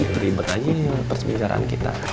teribet aja persbicaraan kita